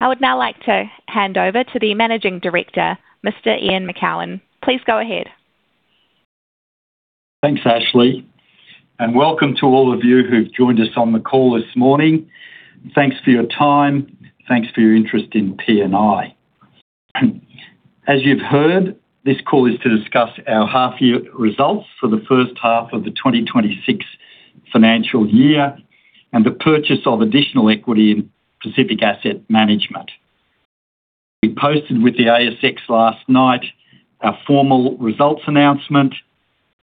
I would now like to hand over to the Managing Director, Mr. Ian Macoun. Please go ahead. Thanks, Ashley, and welcome to all of you who've joined us on the call this morning. Thanks for your time. Thanks for your interest in PNI. As you've heard, this call is to discuss our half-year results for the first half of the 2026 financial year, and the purchase of additional equity in Pacific Asset Management. We posted with the ASX last night our formal results announcement,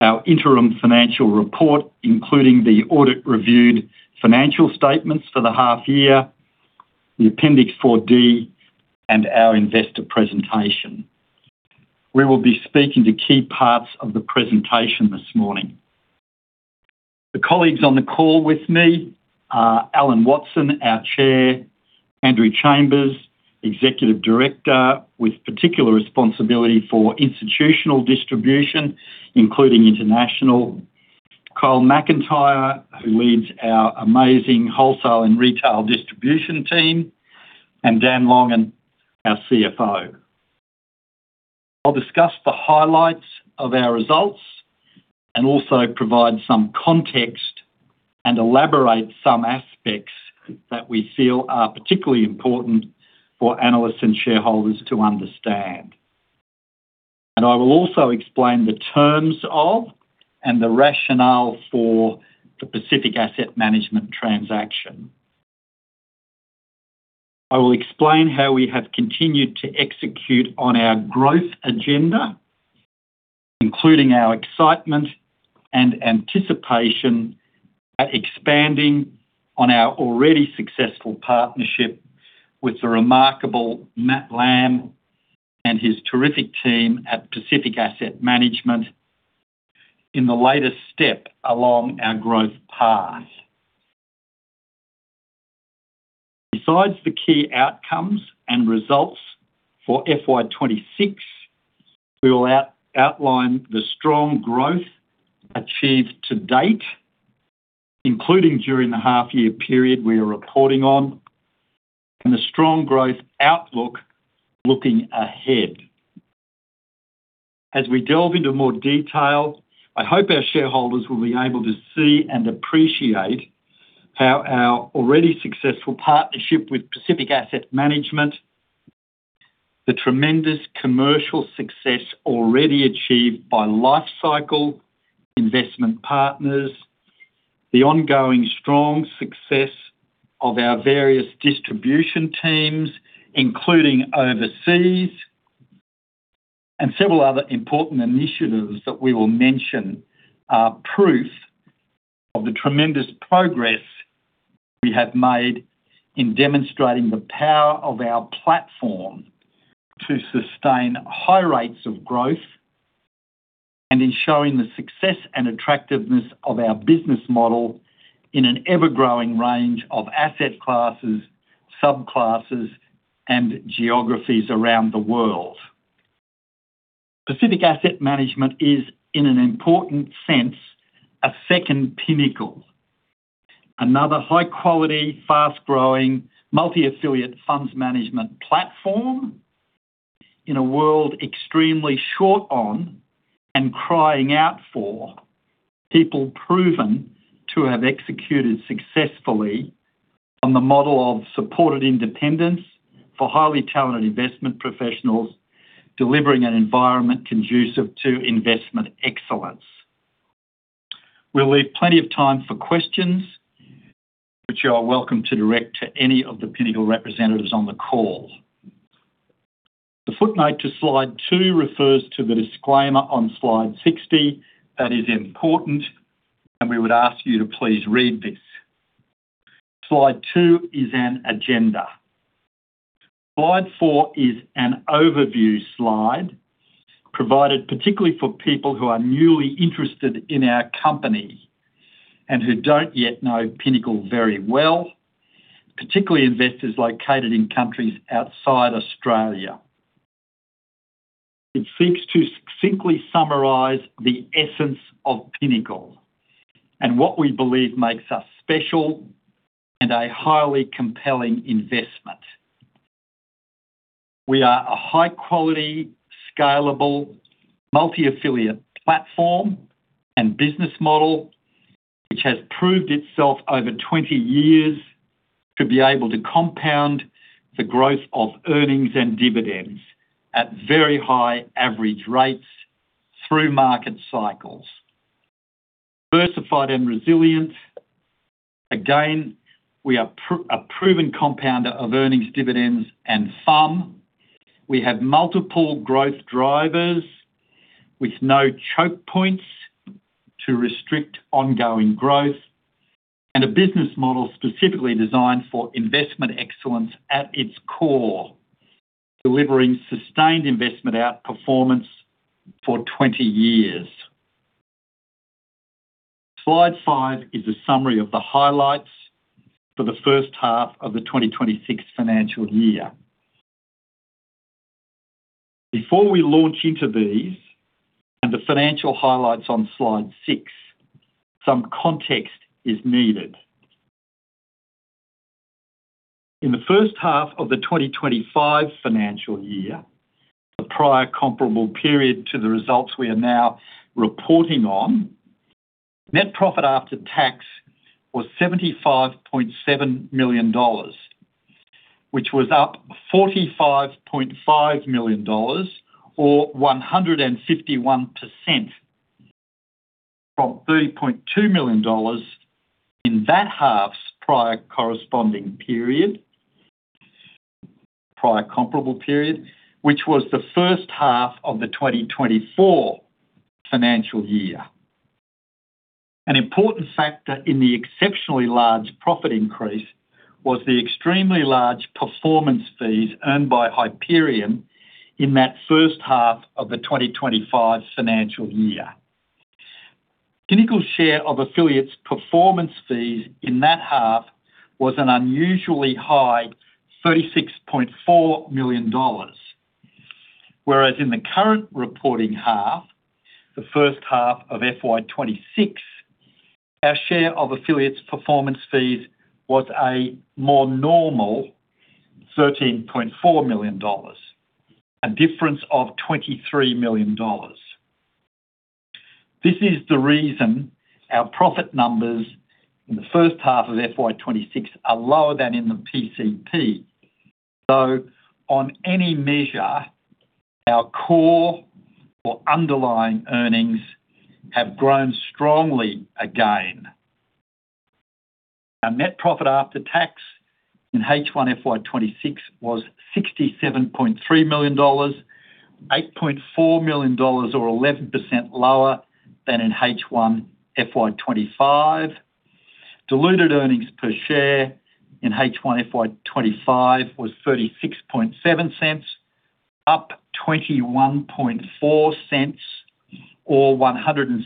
our interim financial report, including the audit-reviewed financial statements for the half year, the Appendix 4D, and our investor presentation. We will be speaking to key parts of the presentation this morning. The colleagues on the call with me are Alan Watson, our Chair, Andrew Chambers, Executive Director, with particular responsibility for institutional distribution, including international, Kyle Macintyre, who leads our amazing wholesale and retail distribution team, and Dan Longan, our CFO. I'll discuss the highlights of our results, and also provide some context and elaborate some aspects that we feel are particularly important for analysts and shareholders to understand. I will also explain the terms of and the rationale for the Pacific Asset Management transaction. I will explain how we have continued to execute on our growth agenda, including our excitement and anticipation at expanding on our already successful partnership with the remarkable Matt Lamb and his terrific team at Pacific Asset Management in the latest step along our growth path. Besides the key outcomes and results for FY 2026, we will outline the strong growth achieved to date, including during the half year period we are reporting on, and the strong growth outlook looking ahead. As we delve into more detail, I hope our shareholders will be able to see and appreciate how our already successful partnership with Pacific Asset Management, the tremendous commercial success already achieved by Lifecycle Investment Partners, the ongoing strong success of our various distribution teams, including overseas, and several other important initiatives that we will mention, are proof of the tremendous progress we have made in demonstrating the power of our platform to sustain high rates of growth, and in showing the success and attractiveness of our business model in an ever-growing range of asset classes, subclasses, and geographies around the world. Pacific Asset Management is, in an important sense, a second Pinnacle. Another high quality, fast-growing, multi-affiliate funds management platform in a world extremely short on, and crying out for, people proven to have executed successfully on the model of supported independence for highly talented investment professionals, delivering an environment conducive to investment excellence. We'll leave plenty of time for questions, which you are welcome to direct to any of the Pinnacle representatives on the call. The footnote to slide two refers to the disclaimer on slide 60. That is important, and we would ask you to please read this. Slide two is an agenda. Slide four is an overview slide, provided particularly for people who are newly interested in our company and who don't yet know Pinnacle very well, particularly investors located in countries outside Australia. It seeks to succinctly summarize the essence of Pinnacle and what we believe makes us special and a highly compelling investment. We are a high-quality, scalable, multi-affiliate platform and business model, which has proved itself over 20 years, to be able to compound the growth of earnings and dividends at very high average rates through market cycles. Diversified and resilient, again, we are a proven compounder of earnings, dividends, and FUM. We have multiple growth drivers with no choke points to restrict ongoing growth, and a business model specifically designed for investment excellence at its core, delivering sustained investment outperformance for 20 years. Slide five is a summary of the highlights for the first half of the 2026 financial year. Before we launch into these and the financial highlights on slide six, some context is needed. In the first half of the 2025 financial year, the prior comparable period to the results we are now reporting on, net profit after tax was 75.7 million dollars, which was up 45.5 million dollars or 151%, from 3.2 million dollars in that half's prior corresponding period, prior comparable period, which was the first half of the 2024 financial year. An important factor in the exceptionally large profit increase was the extremely large performance fees earned by Hyperion in that first half of the 2025 financial year. Pinnacle share of affiliates' performance fees in that half was an unusually high 36.4 million dollars, whereas in the current reporting half, the first half of FY 2026, our share of affiliates' performance fees was a more normal 13.4 million dollars, a difference of 23 million dollars. This is the reason our profit numbers in the first half of FY 2026 are lower than in the PCP. So on any measure, our core or underlying earnings have grown strongly again. Our net profit after tax in H1 FY 2026 was 67.3 million dollars, 8.4 million lower than in H1 FY 2025, or 11% lower. Diluted earnings per share in H1 FY 2025 was 0.367, up 0.214 or 140%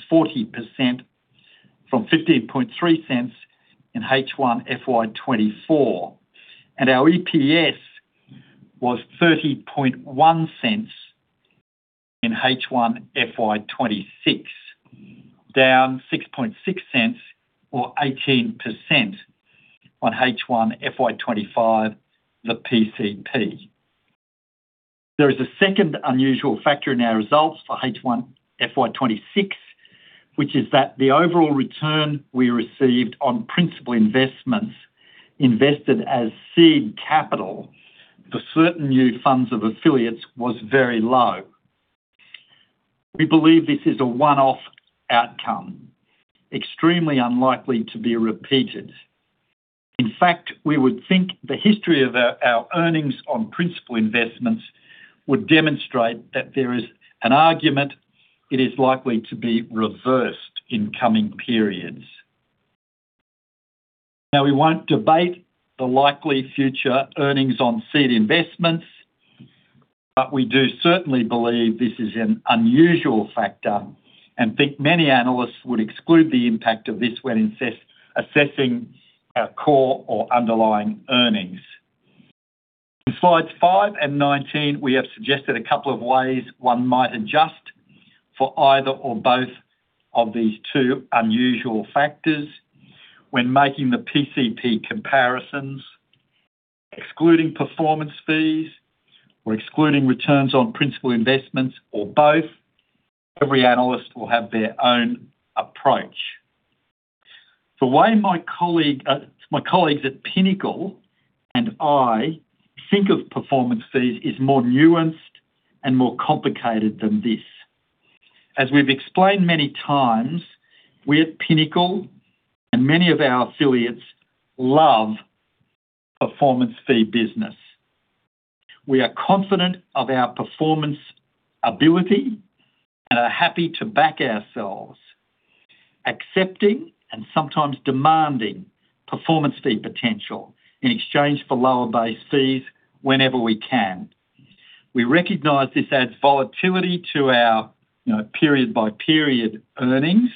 from 0.153 in H1 FY 2024, and our EPS was 0.301 in H1 FY 2026, down 0.066 or 18% on H1 FY 2025, the PCP. There is a second unusual factor in our results for H1 FY 2026, which is that the overall return we received on principal investments invested as seed capital for certain new funds of affiliates was very low. We believe this is a one-off outcome, extremely unlikely to be repeated. In fact, we would think the history of our earnings on principal investments would demonstrate that there is an argument it is likely to be reversed in coming periods. Now, we won't debate the likely future earnings on seed investments, but we do certainly believe this is an unusual factor and think many analysts would exclude the impact of this when assessing our core or underlying earnings. In slides five and 19, we have suggested a couple of ways one might adjust for either or both of these two unusual factors when making the PCP comparisons, excluding performance fees or excluding returns on principal investments or both. Every analyst will have their own approach. The way my colleague, my colleagues at Pinnacle and I think of performance fees is more nuanced and more complicated than this. As we've explained many times, we at Pinnacle and many of our affiliates love performance fee business. We are confident of our performance ability and are happy to back ourselves, accepting and sometimes demanding performance fee potential in exchange for lower base fees whenever we can. We recognize this adds volatility to our, you know, period-by-period earnings,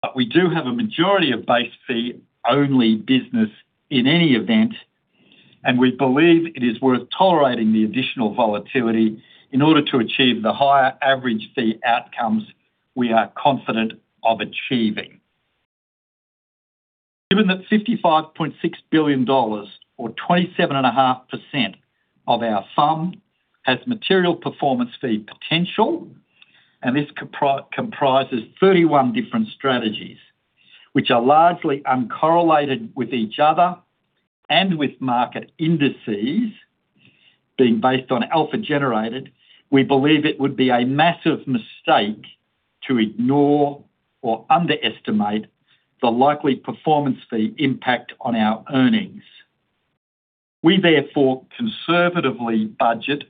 but we do have a majority of base fee-only business in any event, and we believe it is worth tolerating the additional volatility in order to achieve the higher average fee outcomes we are confident of achieving. Given that 55.6 billion dollars or 27.5% of our FUM has material performance fee potential, and this comprises 31 different strategies, which are largely uncorrelated with each other and with market indices being based on alpha generated, we believe it would be a massive mistake to ignore or underestimate the likely performance fee impact on our earnings. We therefore conservatively budget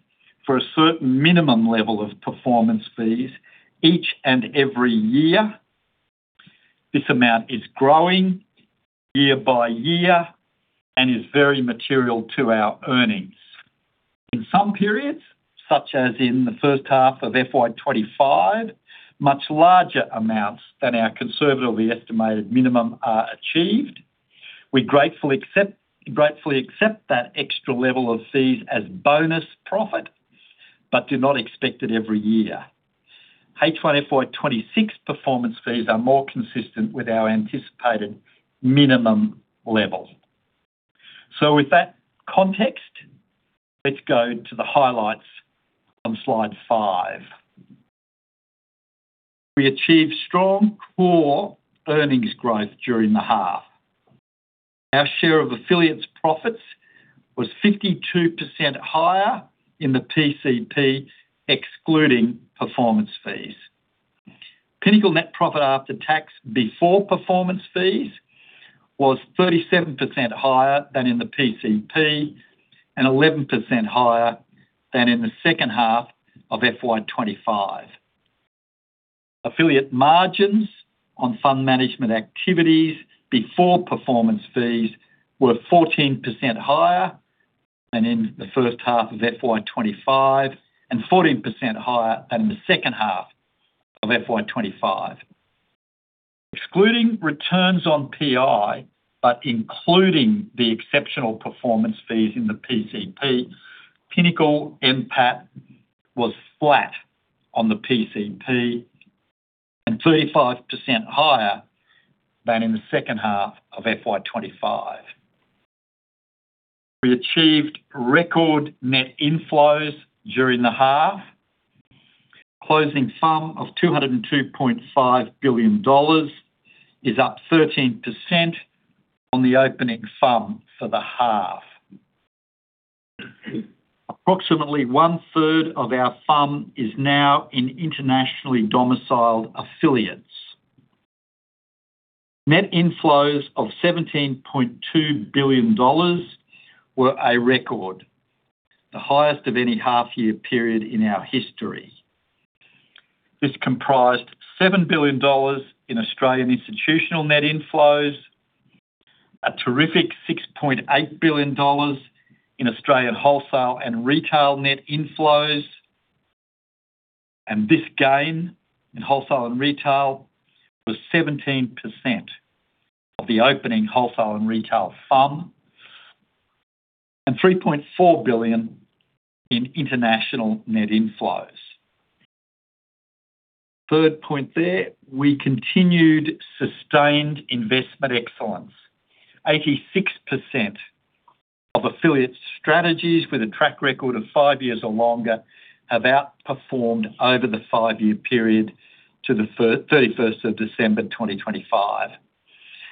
for a certain minimum level of performance fees each and every year. This amount is growing year by year and is very material to our earnings. In some periods, such as in the first half of FY 2025, much larger amounts than our conservatively estimated minimum are achieved.... We gratefully accept that extra level of fees as bonus profit, but do not expect it every year. 2024-2026 performance fees are more consistent with our anticipated minimum level. So with that context, let's go to the highlights on slide five. We achieved strong core earnings growth during the half. Our share of affiliates' profits was 52% higher in the PCP, excluding performance fees. Pinnacle net profit after tax, before performance fees, was 37% higher than in the PCP and 11% higher than in the second half of FY 2025. Affiliate margins on fund management activities before performance fees were 14% higher than in the first half of FY 2025, and 14% higher than the second half of FY 2025. Excluding returns on PI, but including the exceptional performance fees in the PCP, Pinnacle NPAT was flat on the PCP and 35% higher than in the second half of FY 2025. We achieved record net inflows during the half. Closing FUM of 202.5 billion dollars is up 13% on the opening FUM for the half. Approximately 1/3 of our FUM is now in internationally domiciled affiliates. Net inflows of 17.2 billion dollars were a record, the highest of any half year period in our history. This comprised 7 billion dollars in Australian institutional net inflows, a terrific 6.8 billion dollars in Australian wholesale and retail net inflows, and this gain in wholesale and retail was 17% of the opening wholesale and retail FUM, and 3.4 billion in international net inflows. Third point there, we continued sustained investment excellence. 86% of affiliates' strategies with a track record of five years or longer have outperformed over the five-year period to the 31st of December 2025.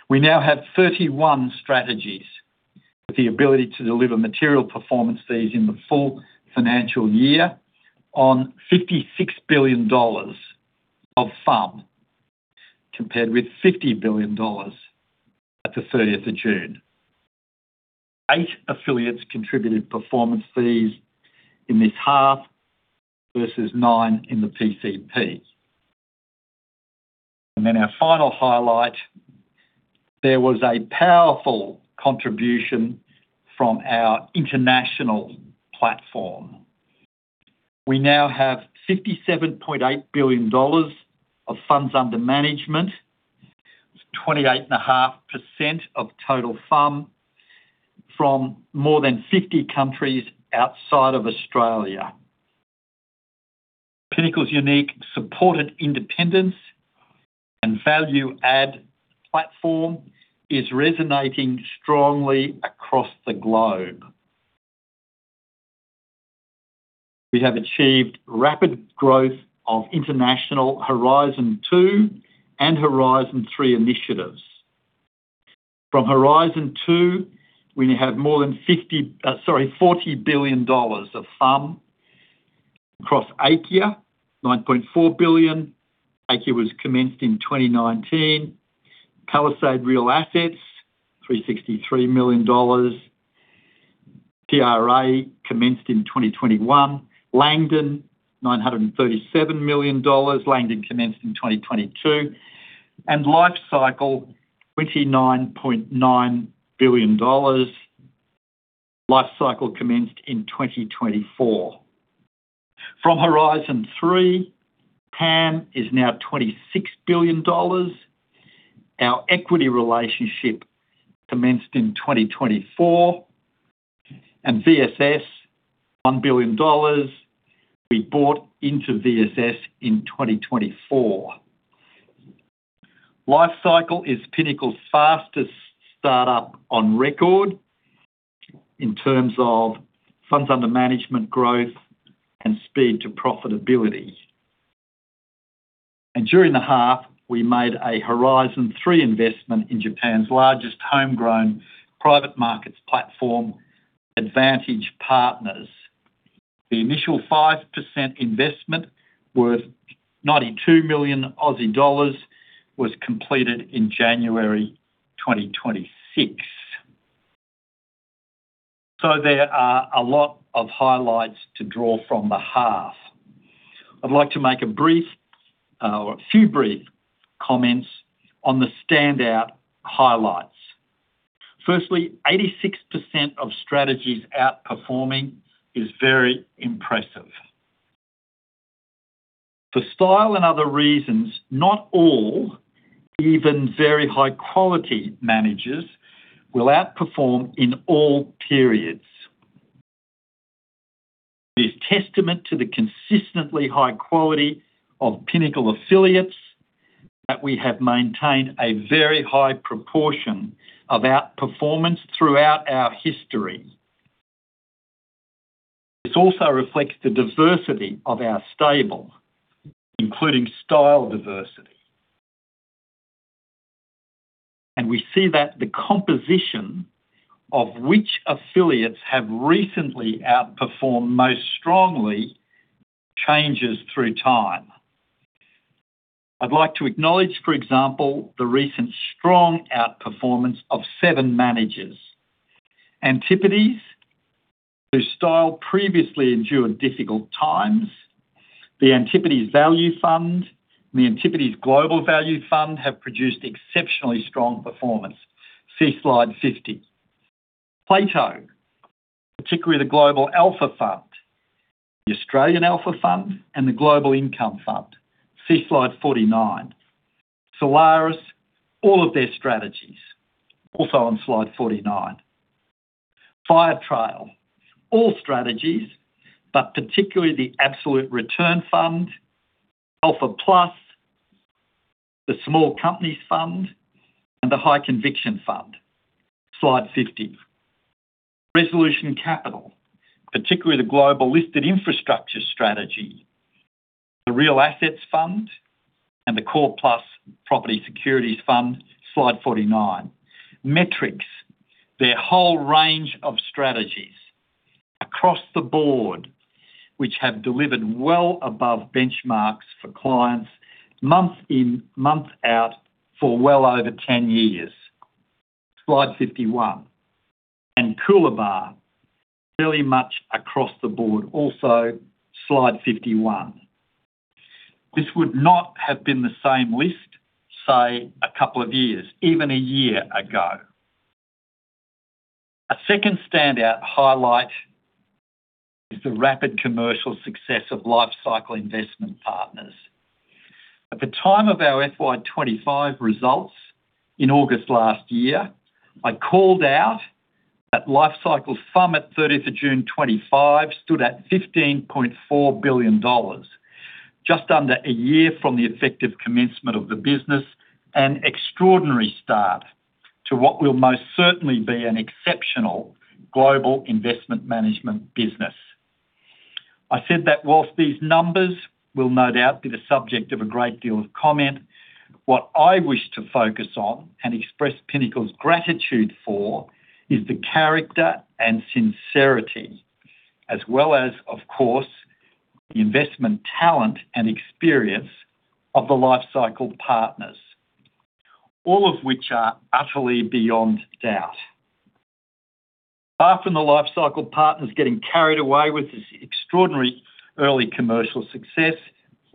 We now have 31 strategies with the ability to deliver material performance fees in the full financial year on 56 billion dollars of FUM, compared with 50 billion dollars at the 30th of June. Eight affiliates contributed performance fees in this half versus nine in the PCP. And then our final highlight, there was a powerful contribution from our international platform. We now have 57.8 billion dollars of funds under management, 28.5% of total FUM from more than 50 countries outside of Australia. Pinnacle's unique supported independence and value add platform is resonating strongly across the globe. We have achieved rapid growth of international Horizon 2 and Horizon 3 initiatives. From Horizon 2, we now have more than 40 billion dollars of FUM. Across Aikya, 9.4 billion. Aikya was commenced in 2019. Palisade Real Assets, 363 million dollars. PRA commenced in 2021. Langdon, 937 million dollars. Langdon commenced in 2022. Lifecycle, AUD 29.9 billion. Lifecycle commenced in 2024. From Horizon 3, PAM is now 26 billion dollars. Our equity relationship commenced in 2024, and VSS, 1 billion dollars. We bought into VSS in 2024. Lifecycle is Pinnacle's fastest startup on record in terms of funds under management growth and speed to profitability. During the half, we made a Horizon 3 investment in Japan's largest homegrown private markets platform, Advantage Partners. The initial 5% investment, worth 92 million Aussie dollars, was completed in January 2026. There are a lot of highlights to draw from the half. I'd like to make a brief, or a few brief comments on the standout highlights. Firstly, 86% of strategies outperforming is very impressive.... For style and other reasons, not all, even very high-quality managers, will outperform in all periods. It's testament to the consistently high quality of Pinnacle affiliates that we have maintained a very high proportion of outperformance throughout our history. This also reflects the diversity of our stable, including style diversity. We see that the composition of which affiliates have recently outperformed most strongly changes through time. I'd like to acknowledge, for example, the recent strong outperformance of seven managers. Antipodes, whose style previously endured difficult times, the Antipodes Value Fund, and the Antipodes Global Value Fund have produced exceptionally strong performance. See Slide 50. Plato, particularly the Global Alpha Fund, the Australian Alpha Fund, and the Global Income Fund. See Slide 49. Solaris, all of their strategies, also on Slide 49. Firetrail, all strategies, but particularly the Absolute Return Fund, Alpha Plus, the Small Companies Fund, and the High Conviction Fund, Slide 50. Resolution Capital, particularly the Global Listed Infrastructure strategy, the Real Assets Fund, and the Core Plus Property Securities Fund, Slide 49. Metrics, their whole range of strategies across the board, which have delivered well above benchmarks for clients month in, month out, for well over 10 years, Slide 51. Coolabah, fairly much across the board, also Slide 51. This would not have been the same list, say, a couple of years, even a year ago. A second standout highlight is the rapid commercial success of Lifecycle Investment Partners. At the time of our FY 2025 results in August last year, I called out that Lifecycle's FUM at 30th of June 2025, stood at 15.4 billion dollars, just under a year from the effective commencement of the business, an extraordinary start to what will most certainly be an exceptional global investment management business. I said that while these numbers will no doubt be the subject of a great deal of comment, what I wish to focus on and express Pinnacle's gratitude for, is the character and sincerity, as well as, of course, the investment talent and experience of the Lifecycle partners, all of which are utterly beyond doubt. Far from the Lifecycle partners getting carried away with this extraordinary early commercial success,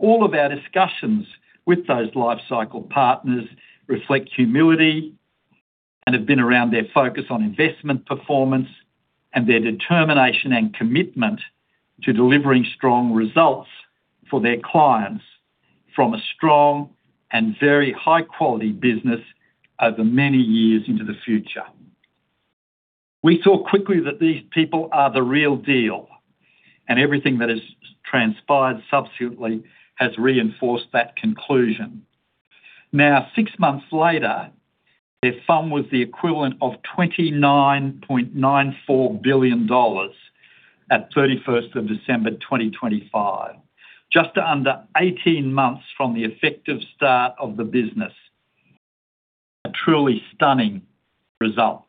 all of our discussions with those Lifecycle partners reflect humility and have been around their focus on investment performance and their determination and commitment to delivering strong results for their clients from a strong and very high-quality business over many years into the future. We saw quickly that these people are the real deal, and everything that has transpired subsequently has reinforced that conclusion. Now, six months later, their FUM was the equivalent of 29.94 billion dollars at 31st of December 2025, just under 18 months from the effective start of the business. A truly stunning result.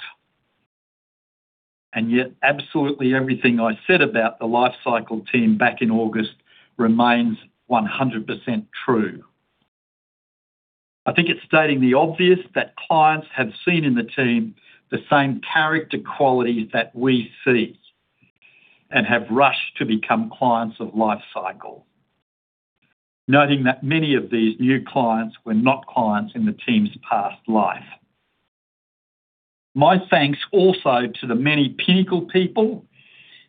And yet, absolutely everything I said about the Lifecycle team back in August remains 100% true. I think it's stating the obvious that clients have seen in the team the same character qualities that we see, and have rushed to become clients of Lifecycle, noting that many of these new clients were not clients in the team's past life. My thanks also to the many Pinnacle people,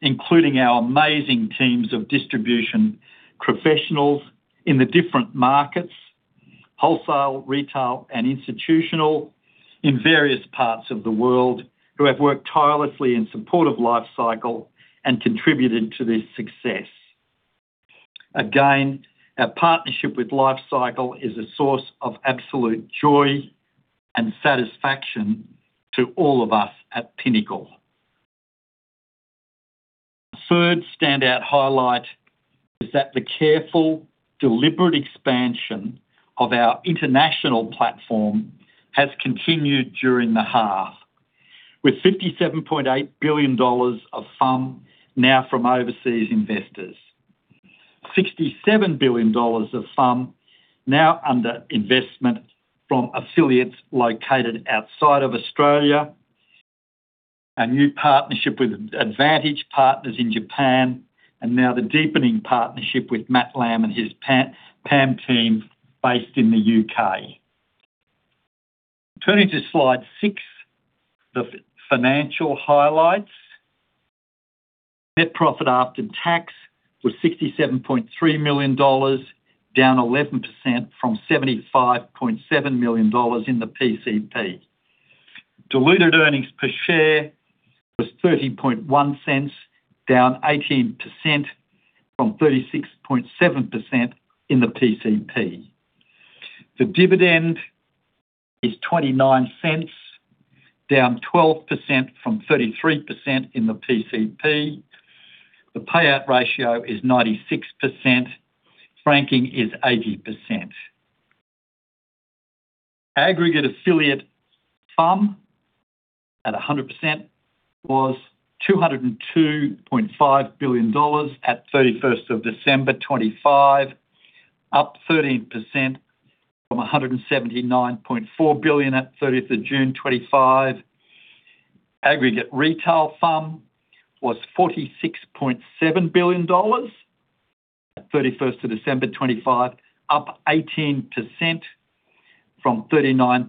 including our amazing teams of distribution professionals in the different markets, wholesale, retail, and institutional, in various parts of the world, who have worked tirelessly in support of Lifecycle and contributed to this success. Again, our partnership with Lifecycle is a source of absolute joy and satisfaction to all of us at Pinnacle. The third standout highlight is that the careful, deliberate expansion of our international platform has continued during the half, with 57.8 billion dollars of FUM now from overseas investors. 67 billion dollars of FUM now under investment from affiliates located outside of Australia. A new partnership with Advantage Partners in Japan, and now the deepening partnership with Matt Lamb and his PAM team based in the U.K.. Turning to slide six, the financial highlights. Net profit after tax was AUD 67.3 million, down 11% from AUD 75.7 million in the PCP. Diluted earnings per share was 0.131, down 18% from 36.7% in the PCP. The dividend is 0.29, down 12% from 33% in the PCP. The payout ratio is 96%. Franking is 80%. Aggregate affiliate FUM, at 100%, was AUD 202.5 billion at 31 December 2025, up 13% from 179.4 billion at 30 June 2025. Aggregate retail FUM was AUD 46.7 billion at 31 December 2025, up 18% from AUD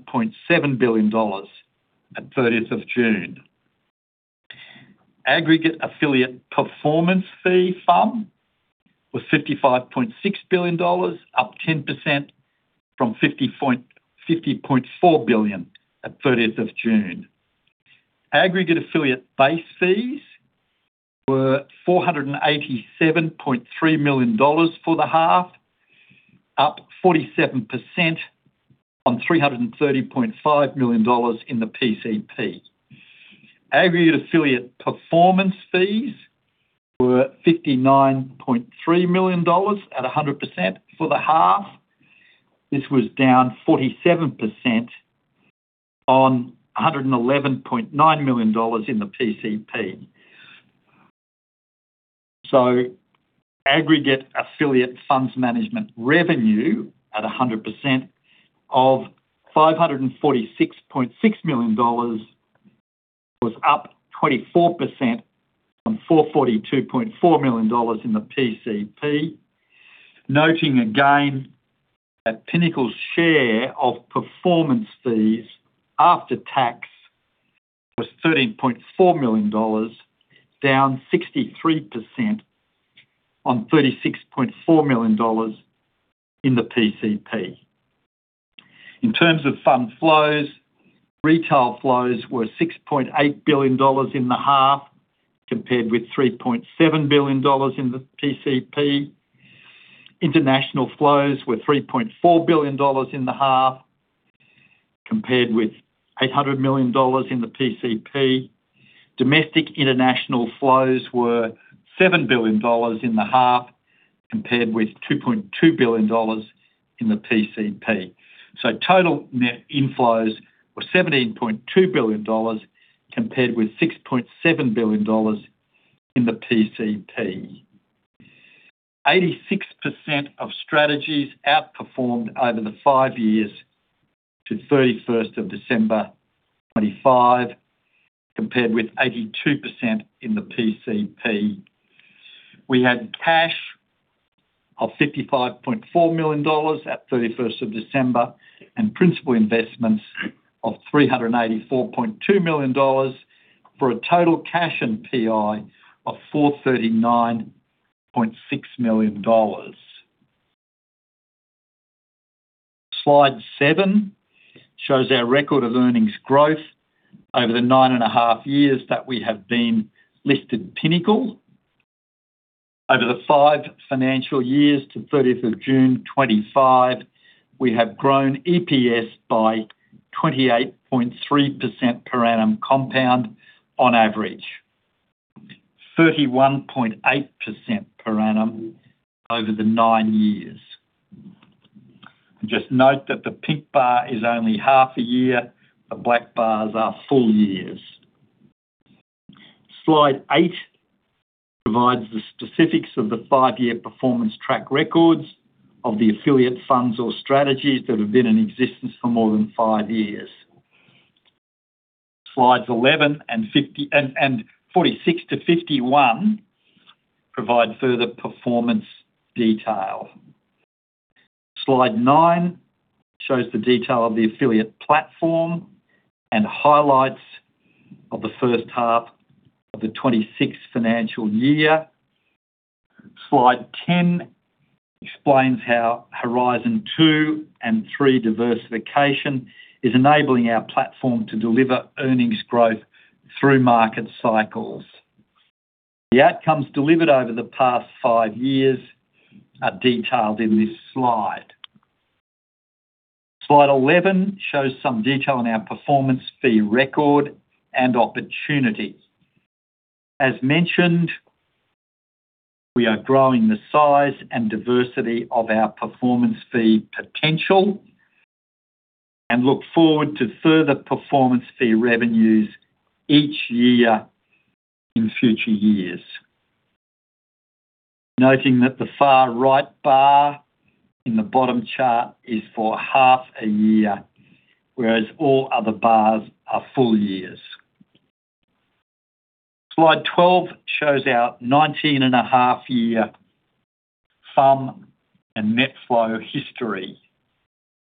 39.7 billion at 30 June 2025. Aggregate affiliate performance fee FUM was 55.6 billion dollars, up 10% from 50.4 billion at 30 June 2025. Aggregate affiliate base fees were 487.3 million dollars for the half, up 47% on 330.5 million dollars in the PCP. Aggregate affiliate performance fees were 59.3 million dollars at 100%. For the half, this was down 47% on 111.9 million dollars in the PCP. Aggregate affiliate funds management revenue, at 100%, of 546.6 million dollars, was up 24% from 442.4 million dollars in the PCP, noting again, that Pinnacle's share of performance fees after tax was AUD 13.4 million, down 63% on AUD 36.4 million in the PCP. In terms of FUM flows, retail flows were AUD 6.8 billion in the half, compared with AUD 3.7 billion in the PCP. International flows were AUD 3.4 billion in the half, compared with AUD 800 million in the PCP. Domestic institutional flows were AUD 7 billion in the half, compared with 2.2 billion dollars in the PCP. So total net inflows were 17.2 billion dollars, compared with 6.7 billion dollars in the PCP. 86% of strategies outperformed over the five years to 31st December 2025, compared with 82% in the PCP. We had cash of 55.4 million dollars at 31st December, and principal investments of 384.2 million dollars, for a total cash and PI of 439.6 million dollars. Slide seven shows our record of earnings growth over the 9.5 years that we have been listed Pinnacle. Over the five financial years to 30th June 2025, we have grown EPS by 28.3% per annum compound on average. 31.8% per annum over the nine years. Just note that the pink bar is only half a year, the black bars are full years. Slide eight provides the specifics of the five-year performance track records of the affiliate funds or strategies that have been in existence for more than five years. Slides 11 and 50 and 46 to 51 provide further performance detail. Slide nine shows the detail of the affiliate platform, and highlights of the first half of the 2026 financial year. Slide 10 explains how Horizon 2 and 3 diversification is enabling our platform to deliver earnings growth through market cycles. The outcomes delivered over the past five years are detailed in this slide. Slide 11 shows some detail on our performance fee record and opportunities. As mentioned, we are growing the size and diversity of our performance fee potential, and look forward to further performance fee revenues each year in future years. Noting that the far right bar in the bottom chart is for half a year, whereas all other bars are full years. Slide 12 shows our 19.5-year FUM and net flow history.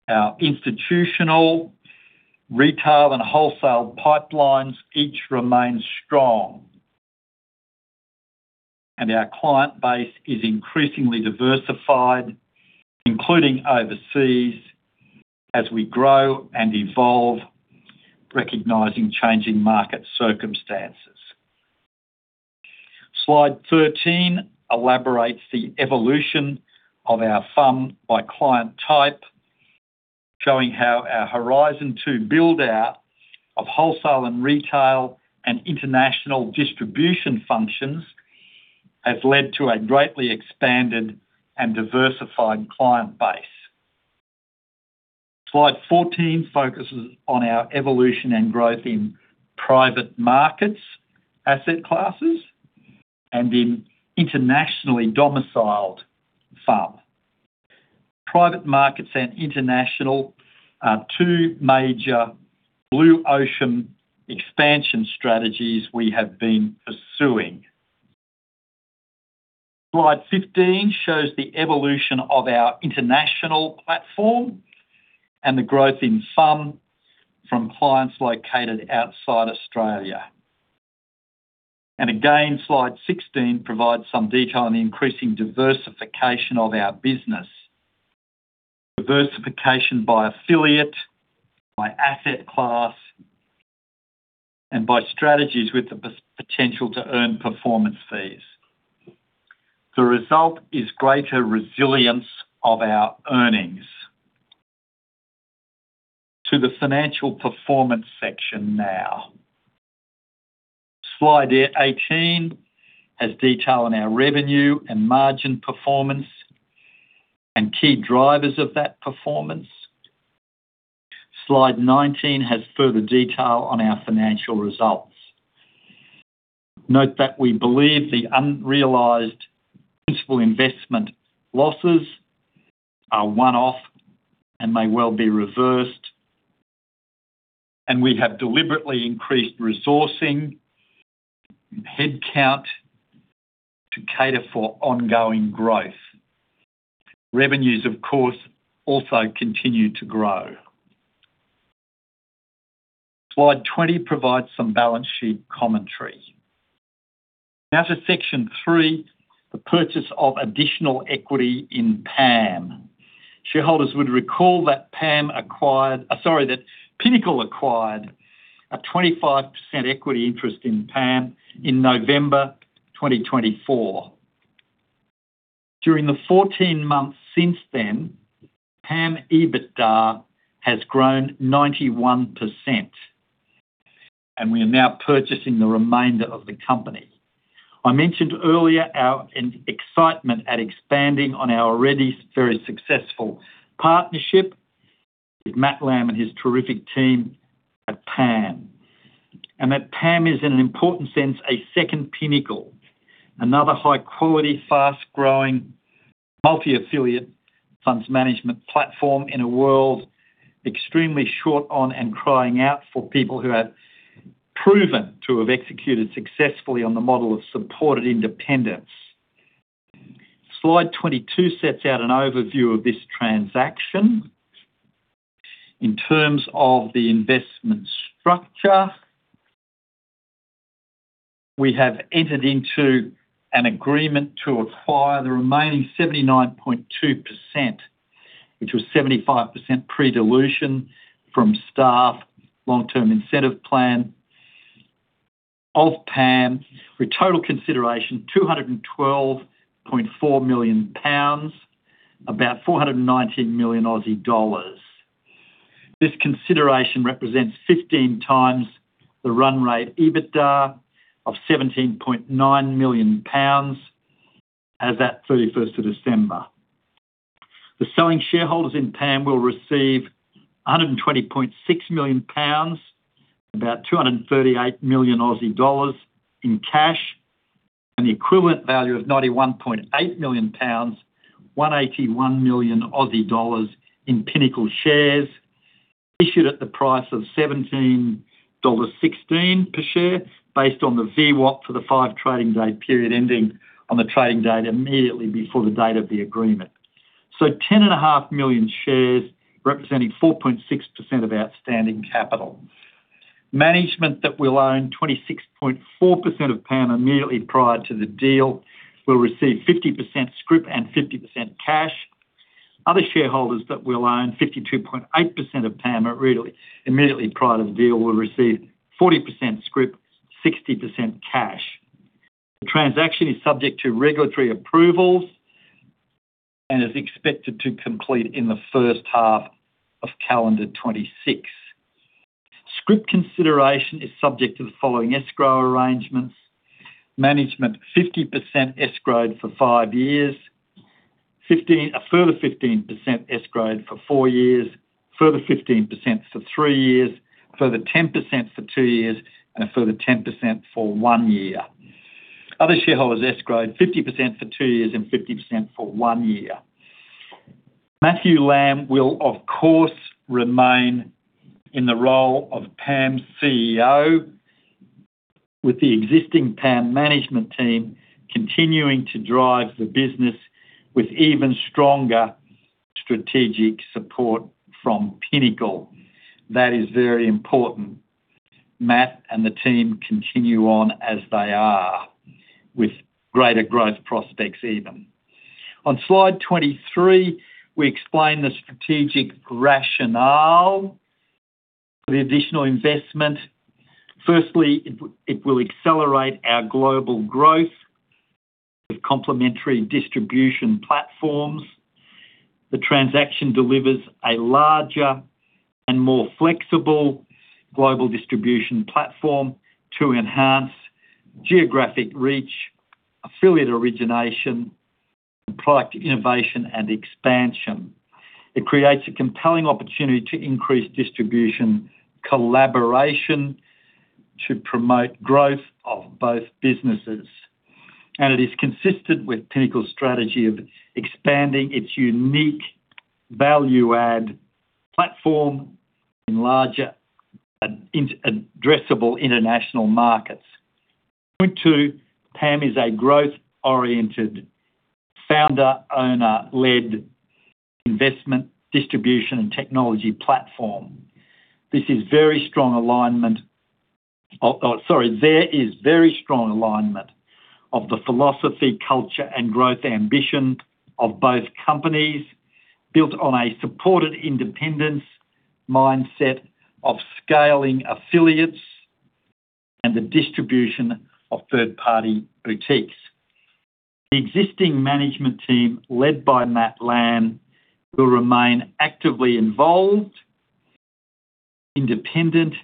Our institutional, retail, and wholesale pipelines each remain strong. Our client base is increasingly diversified, including overseas, as we grow and evolve, recognizing changing market circumstances. Slide 13 elaborates the evolution of our FUM by client type, showing how our Horizon 2 build out of wholesale and retail and international distribution functions, has led to a greatly expanded and diversified client base. Slide 14 focuses on our evolution and growth in private markets, asset classes, and in internationally domiciled FUM. Private markets and international are two major blue ocean expansion strategies we have been pursuing. Slide 15 shows the evolution of our international platform and the growth in FUM from clients located outside Australia. Again, slide 16 provides some detail on the increasing diversification of our business. Diversification by affiliate, by asset class, and by strategies with the potential to earn performance fees. The result is greater resilience of our earnings. To the financial performance section now. Slide 18 has detail on our revenue and margin performance and key drivers of that performance. Slide 19 has further detail on our financial results. Note that we believe the unrealized principal investment losses are one-off and may well be reversed, and we have deliberately increased resourcing headcount to cater for ongoing growth. Revenues, of course, also continue to grow. Slide 20 provides some balance sheet commentary. Now, for section three, the purchase of additional equity in PAM. Shareholders would recall that Pinnacle acquired a 25% equity interest in PAM in November 2024. During the 14 months since then, PAM EBITDA has grown 91%, and we are now purchasing the remainder of the company. I mentioned earlier our excitement at expanding on our already very successful partnership with Matt Lamb and his terrific team at PAM, and that PAM is, in an important sense, a second Pinnacle, another high quality, fast-growing, multi-affiliate, funds management platform in a world extremely short on and crying out for people who have proven to have executed successfully on the model of supported independence. Slide 22 sets out an overview of this transaction. In terms of the investment structure, we have entered into an agreement to acquire the remaining 79.2%, which was 75% pre-dilution from staff, Long-term Incentive Plan of PAM, for a total consideration, 212.4 million pounds, about 419 million Aussie dollars. This consideration represents 15x the run rate EBITDA of 17.9 million pounds as at 31 December. The selling shareholders in PAM will receive 120.6 million pounds, about 238 million Aussie dollars in cash, and the equivalent value of 91.8 million pounds, 181 million Aussie dollars in Pinnacle shares, issued at the price of 17.16 dollars per share, based on the VWAP for the five trading day period ending on the trading date immediately before the date of the agreement. So 10.5 million shares, representing 4.6% of outstanding capital. Management that will own 26.4% of PAM immediately prior to the deal will receive 50% scrip and 50% cash. Other shareholders that will own 52.8% of PAM immediately prior to the deal will receive 40% scrip, 60% cash. The transaction is subject to regulatory approvals and is expected to complete in the first half of calendar 2026. Scrip consideration is subject to the following escrow arrangements: management, 50% escrowed for five years, a further 15% escrowed for four years, a further 15% for three years, a further 10% for two years, and a further 10% for one year. Other shareholders escrowed 50% for two years and 50% for one year. Matthew Lamb will, of course, remain in the role of PAM's CEO, with the existing PAM management team continuing to drive the business with even stronger strategic support from Pinnacle. That is very important. Matt and the team continue on as they are, with greater growth prospects even. On slide 23, we explain the strategic rationale for the additional investment. Firstly, it will accelerate our global growth with complementary distribution platforms. The transaction delivers a larger and more flexible global distribution platform to enhance geographic reach, affiliate origination, and product innovation and expansion. It creates a compelling opportunity to increase distribution, collaboration to promote growth of both businesses. And it is consistent with Pinnacle's strategy of expanding its unique value add platform in larger, internationally addressable international markets. Point two, PAM is a growth-oriented founder, owner-led investment, distribution, and technology platform. There is very strong alignment of the philosophy, culture, and growth ambition of both companies, built on a supported independence mindset of scaling affiliates and the distribution of third-party boutiques. The existing management team, led by Matt Lamb, will remain actively involved, independent,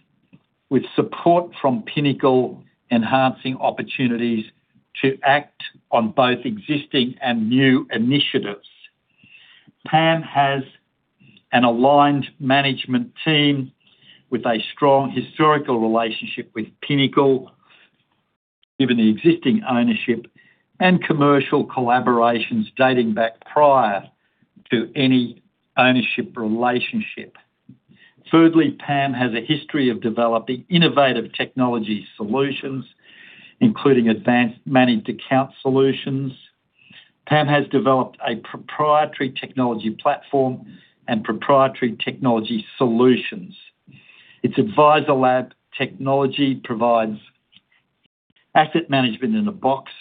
with support from Pinnacle, enhancing opportunities to act on both existing and new initiatives. PAM has an aligned management team with a strong historical relationship with Pinnacle, given the existing ownership and commercial collaborations dating back prior to any ownership relationship. Thirdly, PAM has a history of developing innovative technology solutions, including advanced managed account solutions. PAM has developed a proprietary technology platform and proprietary technology solutions. Its Adviser Lab technology provides asset management in a box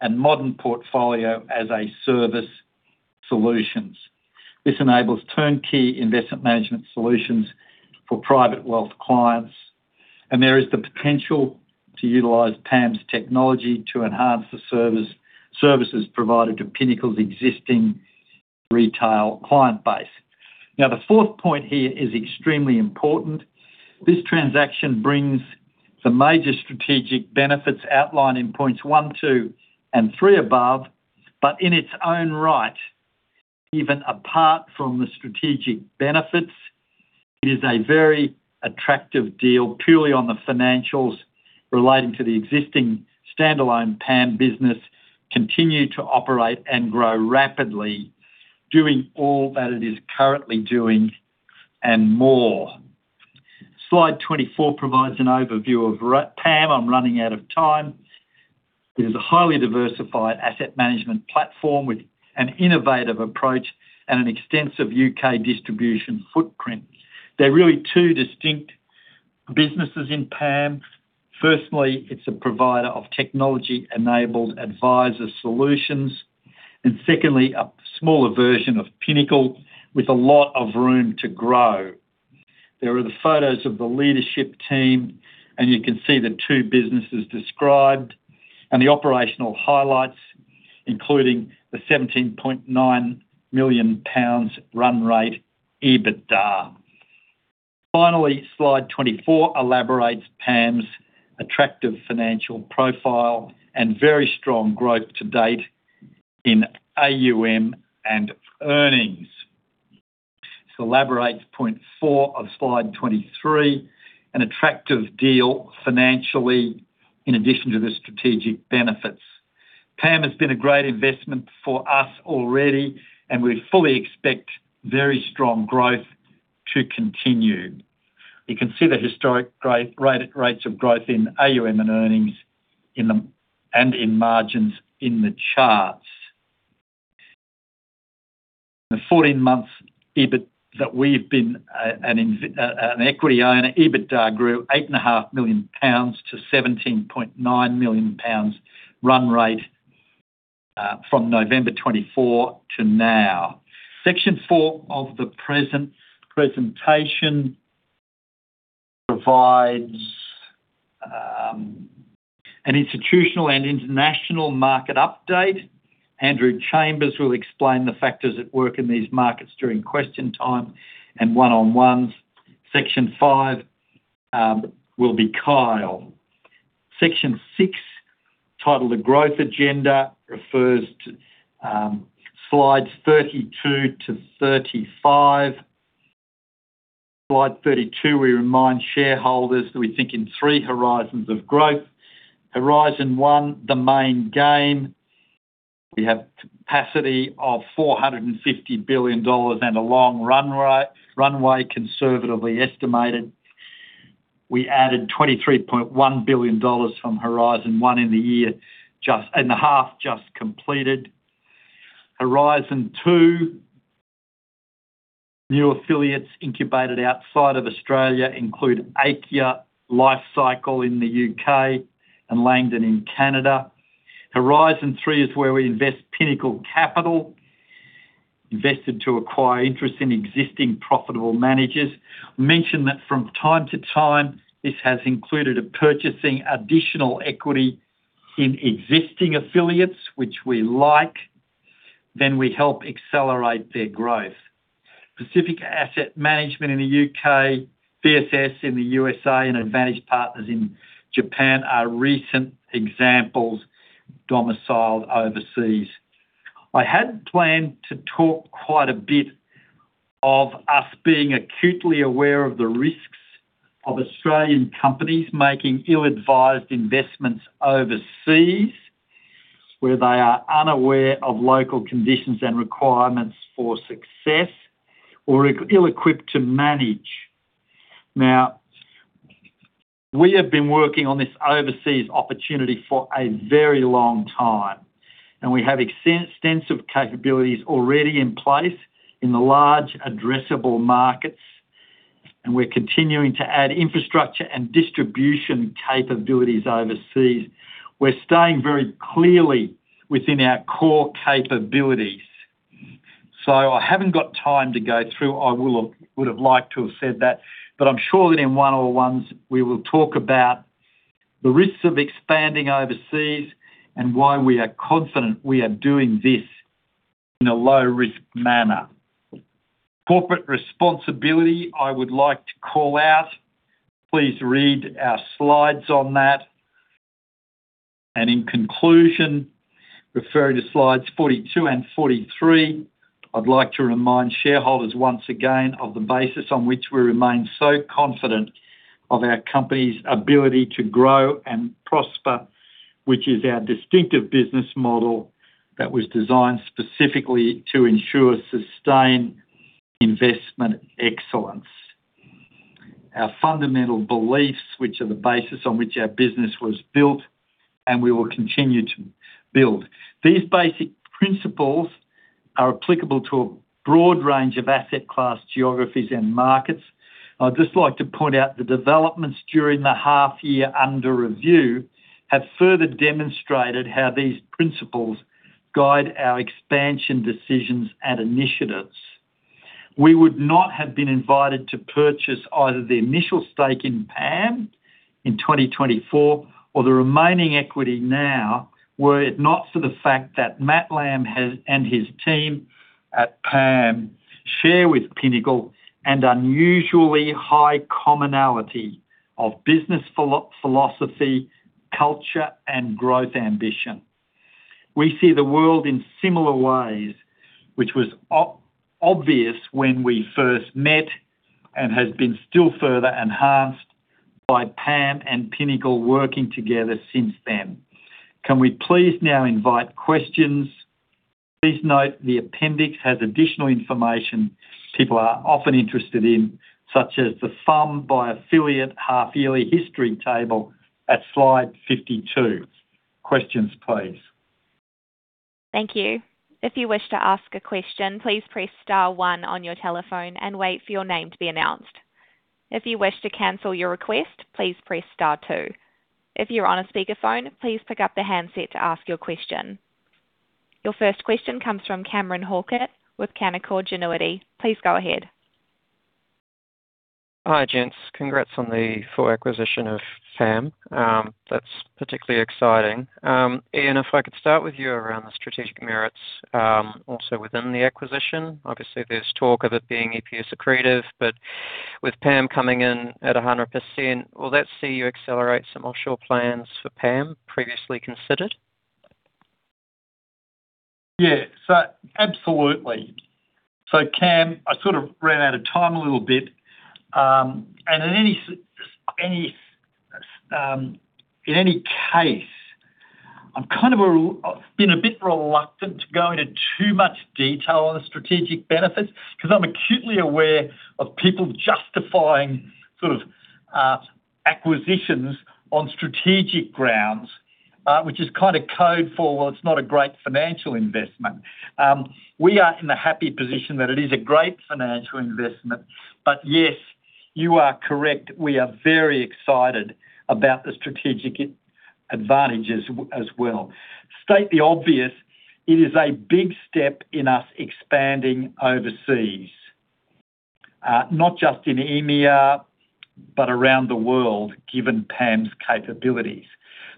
and modern portfolio-as-a-service solutions. This enables turnkey investment management solutions for private wealth clients, and there is the potential to utilize PAM's technology to enhance the service, services provided to Pinnacle's existing retail client base. Now, the fourth point here is extremely important. This transaction brings the major strategic benefits outlined in points one, two, and three above, but in its own right, even apart from the strategic benefits, it is a very attractive deal, purely on the financials relating to the existing standalone PAM business, continue to operate and grow rapidly, doing all that it is currently doing and more. Slide 24 provides an overview of PAM. I'm running out of time. It is a highly diversified asset management platform with an innovative approach and an extensive U.K. distribution footprint. There are really two distinct businesses in PAM. Firstly, it's a provider of technology-enabled advisor solutions, and secondly, a smaller version of Pinnacle with a lot of room to grow. There are the photos of the leadership team, and you can see the two businesses described and the operational highlights, including the 17.9 million pounds run rate EBITDA. Finally, slide 24 elaborates PAM's attractive financial profile and very strong growth to date in AUM and earnings. This elaborates point four of slide 23, an attractive deal financially, in addition to the strategic benefits. PAM has been a great investment for us already, and we fully expect very strong growth to continue. You can see the historic growth rate, rates of growth in AUM and earnings, and in margins in the charts. The 14 months, EBIT that we've been an equity owner, EBITDA grew 8.5 million pounds to 17.9 million pounds run rate from November 2024 to now. Section four of the present presentation provides an institutional and international market update. Andrew Chambers will explain the factors at work in these markets during question time and one-on-ones. Section five will be Kyle. Section six, titled The Growth Agenda, refers to slides 32-35. Slide 32, we remind shareholders that we think in three horizons of growth. Horizon 1, the main game, we have capacity of 450 billion dollars and a long runway, conservatively estimated. We added 23.1 billion dollars from Horizon one in the half just completed. Horizon 2, new affiliates incubated outside of Australia include Aikya, Lifecycle in the U.K., and Langdon in Canada. Horizon 3 is where we invest Pinnacle capital, invested to acquire interest in existing profitable managers. Mention that from time to time, this has included a purchasing additional equity in existing affiliates, which we like, then we help accelerate their growth. Pacific Asset Management in the U.K., VSS in the USA., and Advantage Partners in Japan are recent examples domiciled overseas. I had planned to talk quite a bit of us being acutely aware of the risks of Australian companies making ill-advised investments overseas, where they are unaware of local conditions and requirements for success or ill-equipped to manage. Now, we have been working on this overseas opportunity for a very long time, and we have extensive capabilities already in place in the large addressable markets, and we're continuing to add infrastructure and distribution capabilities overseas. We're staying very clearly within our core capabilities. So I haven't got time to go through. I would have liked to have said that, but I'm sure that in one-on-ones, we will talk about the risks of expanding overseas and why we are confident we are doing this in a low-risk manner. Corporate responsibility, I would like to call out. Please read our slides on that. In conclusion, referring to slides 42 and 43, I'd like to remind shareholders once again of the basis on which we remain so confident of our company's ability to grow and prosper, which is our distinctive business model that was designed specifically to ensure sustained investment excellence. Our fundamental beliefs, which are the basis on which our business was built, and we will continue to build. These basic principles are applicable to a broad range of asset class geographies and markets. I'd just like to point out the developments during the half year under review have further demonstrated how these principles guide our expansion decisions and initiatives. We would not have been invited to purchase either the initial stake in PAM in 2024 or the remaining equity now, were it not for the fact that Matt Lamb has and his team at PAM share with Pinnacle an unusually high commonality of business philosophy, culture, and growth ambition. We see the world in similar ways, which was obvious when we first met and has been still further enhanced by PAM and Pinnacle working together since then. Can we please now invite questions? Please note the appendix has additional information people are often interested in, such as the FUM by affiliate half-yearly history table at slide 52. Questions, please. Thank you. If you wish to ask a question, please press star one on your telephone and wait for your name to be announced. If you wish to cancel your request, please press star two. If you're on a speakerphone, please pick up the handset to ask your question. Your first question comes from Cameron Halkett with Canaccord Genuity. Please go ahead. Hi, gents. Congrats on the full acquisition of PAM. That's particularly exciting. Ian, if I could start with you around the strategic merits, also within the acquisition. Obviously, there's talk of it being a bit secretive, but with PAM coming in at 100%, will that see you accelerate some offshore plans for PAM previously considered? Yeah. So absolutely. So, Cam, I sort of ran out of time a little bit, and in any case, I've been a bit reluctant to go into too much detail on the strategic benefits, 'cause I'm acutely aware of people justifying sort of acquisitions on strategic grounds, which is kind of code for, "Well, it's not a great financial investment." We are in the happy position that it is a great financial investment, but yes, you are correct. We are very excited about the strategic advantages as well. Stating the obvious, it is a big step in us expanding overseas, not just in EMEA, but around the world, given PAM's capabilities.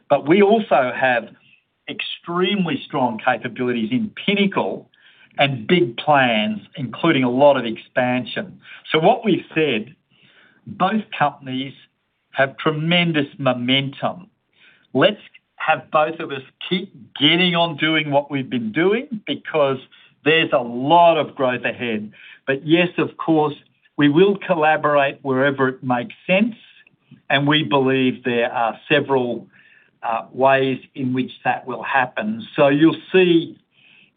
But we also have extremely strong capabilities in Pinnacle and big plans, including a lot of expansion. So what we've said, both companies have tremendous momentum. Let's have both of us keep getting on doing what we've been doing, because there's a lot of growth ahead. But yes, of course, we will collaborate wherever it makes sense, and we believe there are several ways in which that will happen. So you'll see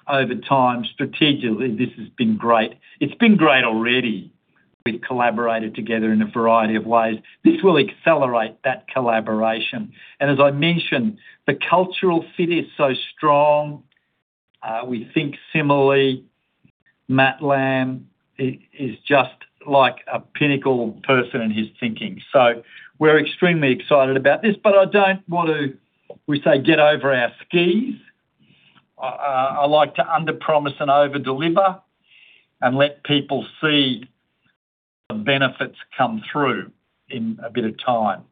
over time, strategically, this has been great. It's been great already. We've collaborated together in a variety of ways. This will accelerate that collaboration. And as I mentioned, the cultural fit is so strong, we think similarly. Matt Lamb is just like a Pinnacle person in his thinking. So we're extremely excited about this, but I don't want to, we say, get over our skis. I like to underpromise and overdeliver, and let people see the benefits come through in a bit of time.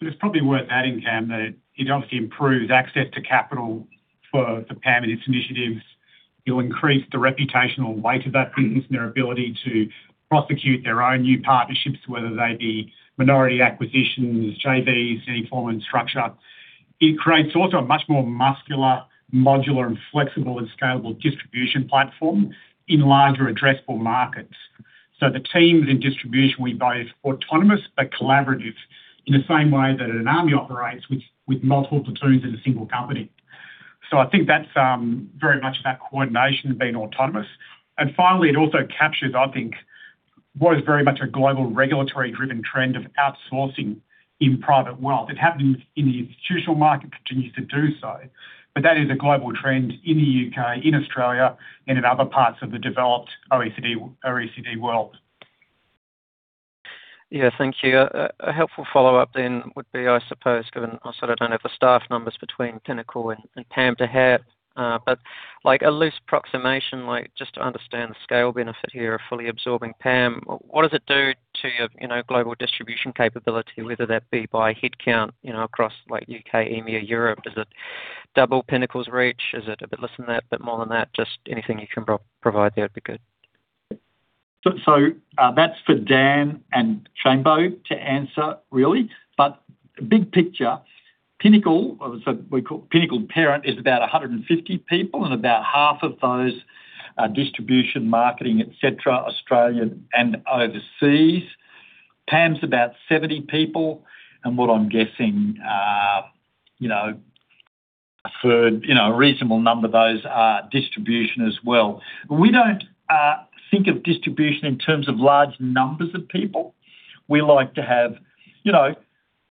It's probably worth adding, Cam, that it obviously improves access to capital for the PAM and its initiatives. It'll increase the reputational weight of that business and their ability to prosecute their own new partnerships, whether they be minority acquisitions, JVs, any form and structure. It creates also a much more muscular, modular, and flexible and scalable distribution platform in larger addressable markets. So the teams in distribution will be both autonomous but collaborative in the same way that an army operates with multiple platoons in a single company. So I think that's very much that coordination being autonomous. And finally, it also captures, I think, what is very much a global regulatory-driven trend of outsourcing in private wealth. It happened in the institutional market, continues to do so, but that is a global trend in the U.K., in Australia, and in other parts of the developed OECD, OECD world. Yeah, thank you. A helpful follow-up then would be, I suppose, given I sort of don't have the staff numbers between Pinnacle and PAM to have, but, like, a loose approximation, like, just to understand the scale benefit here of fully absorbing PAM. What does it do to your, you know, global distribution capability, whether that be by headcount, you know, across like U.K., EMEA, Europe? Does it double Pinnacle's reach? Is it a bit less than that, bit more than that? Just anything you can provide there would be good. So, that's for Dan and Chambers to answer, really. But big picture, Pinnacle, or so we call Pinnacle Parent, is about 150 people, and about half of those are distribution, marketing, et cetera, Australian and overseas. PAM's about 70 people, and what I'm guessing, you know, for, you know, a reasonable number of those are distribution as well. We don't think of distribution in terms of large numbers of people. We like to have, you know,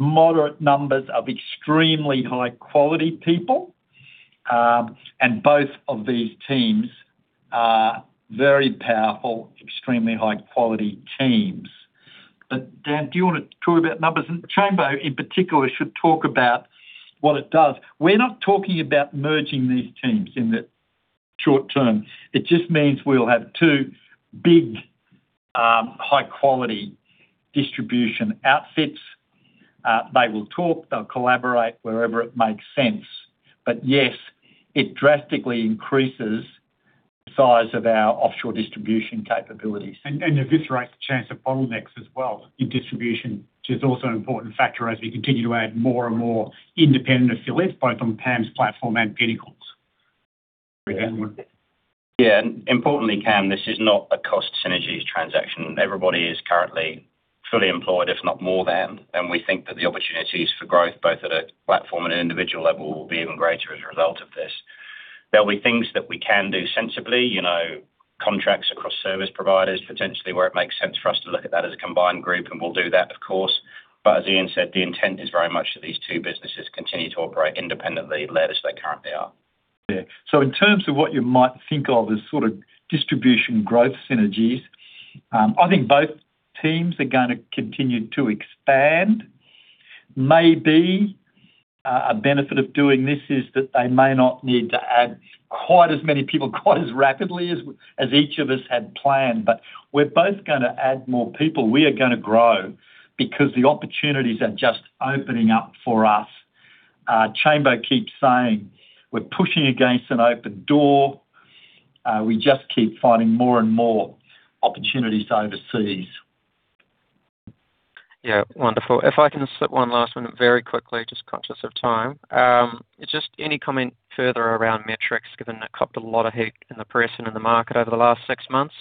moderate numbers of extremely high-quality people, and both of these teams are very powerful, extremely high-quality teams. But Dan, do you want to talk about numbers? And Chambers, in particular, should talk about what it does. We're not talking about merging these teams in the short term. It just means we'll have two big, high-quality distribution outfits. They will talk, they'll collaborate wherever it makes sense. But yes, it drastically increases the size of our offshore distribution capabilities. And eviscerates the chance of bottlenecks as well in distribution, which is also an important factor as we continue to add more and more independent affiliates, both on PAM's platform and Pinnacle's. Yeah. Yeah, and importantly, Cam, this is not a cost synergies transaction. Everybody is currently fully employed, if not more than, and we think that the opportunities for growth, both at a platform and an individual level, will be even greater as a result of this. There'll be things that we can do sensibly, you know, contracts across service providers, potentially, where it makes sense for us to look at that as a combined group, and we'll do that, of course. But as Ian said, the intent is very much that these two businesses continue to operate independently, led as they currently are. Yeah. So in terms of what you might think of as sort of distribution growth synergies, I think both teams are gonna continue to expand. Maybe, a benefit of doing this is that they may not need to add quite as many people, quite as rapidly as each of us had planned, but we're both gonna add more people. We are gonna grow, because the opportunities are just opening up for us. Chambers keeps saying, "We're pushing against an open door." We just keep finding more and more opportunities overseas. Yeah, wonderful. If I can slip one last one very quickly, just conscious of time. Just any comment further around Metrics, given it copped a lot of heat in the press and in the market over the last six months,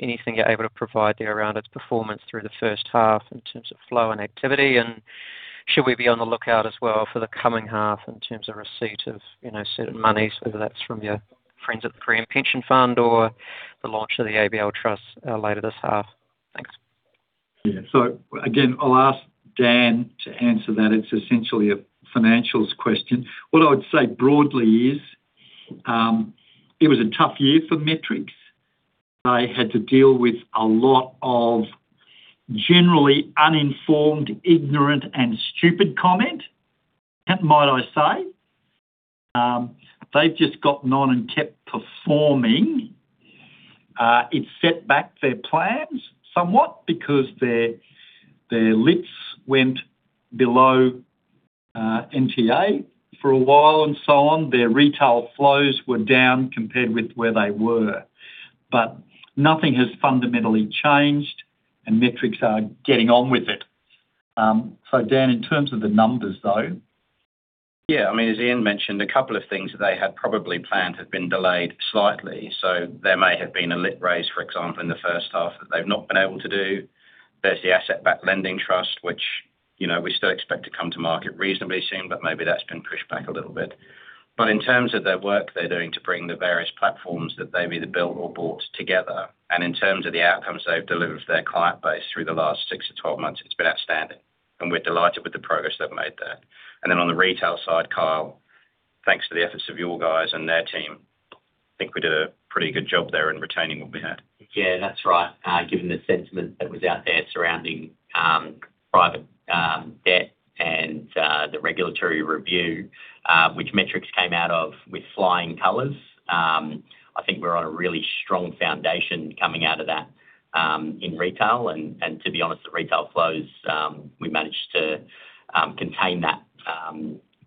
anything you're able to provide there around its performance through the first half in terms of flow and activity? And should we be on the lookout as well for the coming half in terms of receipt of, you know, certain monies, whether that's from your friends at the Korean Pension Fund or the launch of the ABL Trust, later this half? Thanks. Yeah. So again, I'll ask Dan to answer that. It's essentially a financials question. What I would say broadly is, it was a tough year for Metrics. They had to deal with a lot of generally uninformed, ignorant, and stupid comment, might I say? They've just gotten on and kept performing. It set back their plans somewhat because their LITs went below NTA for a while and so on. Their retail flows were down compared with where they were. But nothing has fundamentally changed.... and Metrics are getting on with it. So Dan, in terms of the numbers, though? Yeah, I mean, as Ian mentioned, a couple of things that they had probably planned have been delayed slightly. So there may have been a LIT raise, for example, in the first half, that they've not been able to do. There's the asset-backed lending trust, which, you know, we still expect to come to market reasonably soon, but maybe that's been pushed back a little bit. But in terms of the work they're doing to bring the various platforms that they've either built or bought together, and in terms of the outcomes they've delivered to their client base through the last six to 12 months, it's been outstanding, and we're delighted with the progress they've made there. And then on the retail side, Kyle, thanks to the efforts of your guys and their team, I think we did a pretty good job there in retaining what we had. Yeah, that's right. Given the sentiment that was out there surrounding private debt and the regulatory review, which Metrics came out of with flying colors, I think we're on a really strong foundation coming out of that in retail. And to be honest, the retail flows we managed to contain that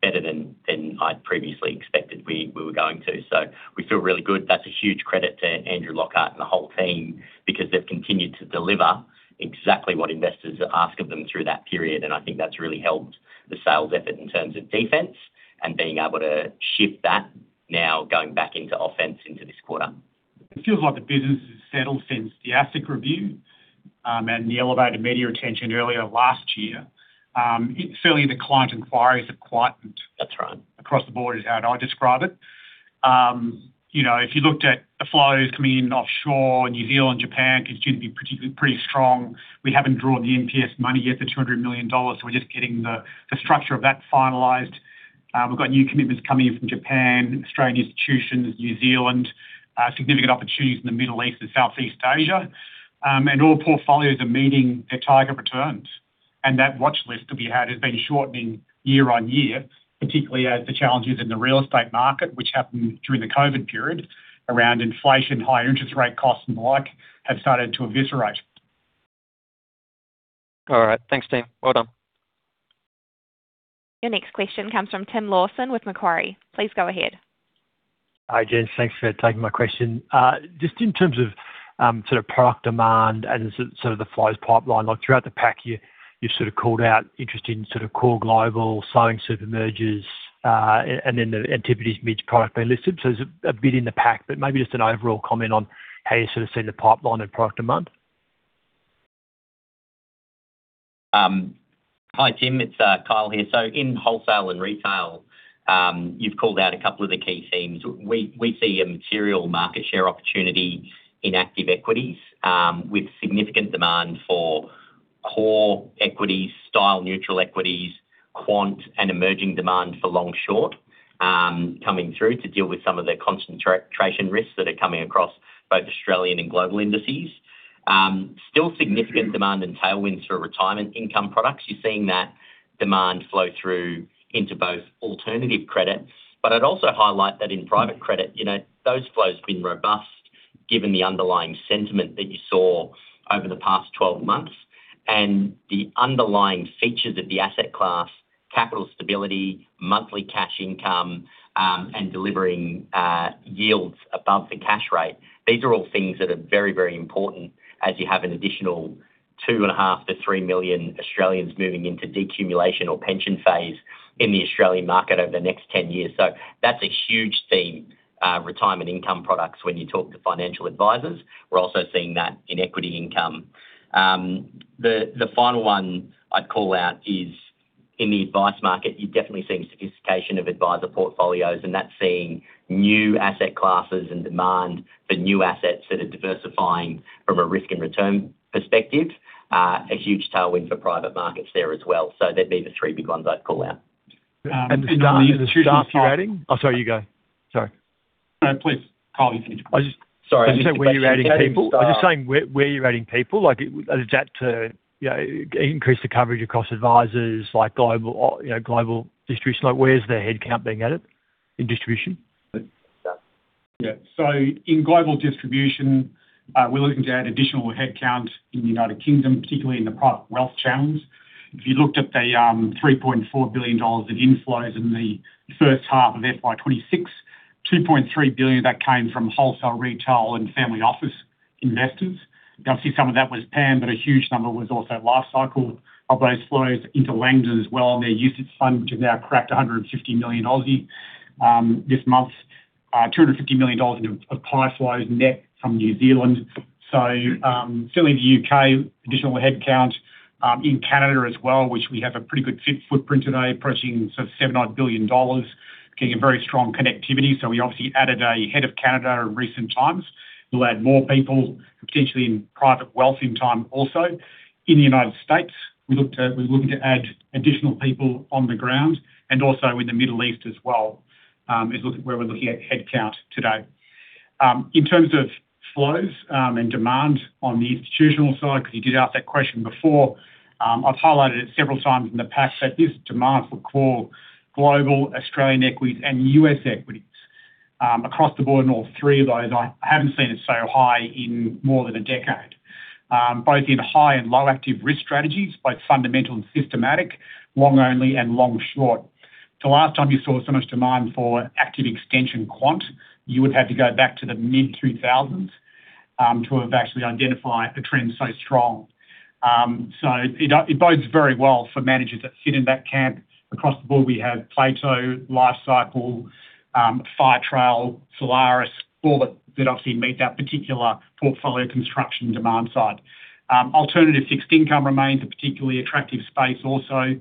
better than I'd previously expected we were going to. So we feel really good. That's a huge credit to Andrew Lockhart and the whole team, because they've continued to deliver exactly what investors ask of them through that period, and I think that's really helped the sales effort in terms of defense and being able to shift that now going back into offense into this quarter. It feels like the business is settled since the ASIC review, and the elevated media attention earlier last year. Certainly the client inquiries have quietened- That's right Across the board, is how I'd describe it. You know, if you looked at the flows coming in offshore, New Zealand, Japan, continued to be particularly pretty strong. We haven't drawn the NPS money yet, the 200 million dollars, so we're just getting the structure of that finalized. We've got new commitments coming in from Japan, Australian institutions, New Zealand, significant opportunities in the Middle East and Southeast Asia. And all portfolios are meeting their target returns, and that watchlist that we had has been shortening year-over-year, particularly as the challenges in the real estate market, which happened during the COVID period, around inflation, higher interest rate costs and the like, have started to evaporate. All right, thanks, team. Well done. Your next question comes from Tim Lawson with Macquarie. Please go ahead. Hi, gents. Thanks for taking my question. Just in terms of sort of product demand and sort of the flows pipeline, like throughout the pack, you sort of called out interest in sort of core global, so in super mergers, and then the Antipodes mid product being listed. So there's a bit in the pack, but maybe just an overall comment on how you sort of see the pipeline and product demand. Hi, Tim, it's Kyle here. So in wholesale and retail, you've called out a couple of the key themes. We see a material market share opportunity in active equities, with significant demand for core equities, style-neutral equities, quant, and emerging demand for long-short, coming through to deal with some of the concentration risks that are coming across both Australian and global indices. Still significant demand and tailwinds for retirement income products. You're seeing that demand flow through into both alternative credits. But I'd also highlight that in private credit, you know, those flows have been robust, given the underlying sentiment that you saw over the past 12 months. And the underlying features of the asset class, capital stability, monthly cash income, and delivering yields above the cash rate. These are all things that are very, very important as you have an additional 2.5 million-3 million Australians moving into decumulation or pension phase in the Australian market over the next 10 years. So that's a huge theme, retirement income products, when you talk to financial advisors. We're also seeing that in equity income. The final one I'd call out is in the advice market, you're definitely seeing sophistication of advisor portfolios, and that's seeing new asset classes and demand for new assets that are diversifying from a risk and return perspective, a huge tailwind for private markets there as well. So they'd be the three big ones I'd call out. Um,... Oh, sorry, you go. Sorry. No, please, Kyle, you can- I just- Sorry. I'm just saying, where are you hiring people? I'm just saying, where, where are you hiring people, like, as a path to, you know, increase the coverage across advisors, like global or, you know, global distribution? Like, where's their headcount being at in distribution? Yeah. So in global distribution, we're looking to add additional headcount in the United Kingdom, particularly in the private wealth channels. If you looked at the 3.4 billion dollars in inflows in the first half of FY 2026, 2.3 billion of that came from wholesale, retail, and family office investors. Obviously, some of that was PAM, but a huge number was also recycling of those flows into Langdon as well, and their UCITS fund, which has now cracked 150 million this month. 250 million dollars of high flows net from New Zealand. So, still in the U.K., additional headcount in Canada as well, which we have a pretty good footprint today, approaching sort of 7 billion dollars, getting a very strong connectivity. So we obviously added a head of Canada in recent times. We'll add more people, potentially in private wealth in time also. In the United States, we're looking to add additional people on the ground, and also in the Middle East as well, where we're looking at headcount today. In terms of flows, and demand on the institutional side, because you did ask that question before, I've highlighted it several times in the past, that this demand for core global Australian equities and U.S. equities, across the board in all three of those, I haven't seen it so high in more than a decade. Both in high and low active risk strategies, both fundamental and systematic, long only and long-short.... The last time you saw so much demand for active extension quant, you would have to go back to the mid-2000s to have actually identified a trend so strong. So it bodes very well for managers that sit in that camp. Across the board, we have Plato, Life Cycle, Firetrail, Solaris, all that obviously meet that particular portfolio construction demand side. Alternative fixed income remains a particularly attractive space also.